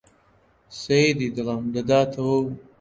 سەیدی دڵم دەداتەوە و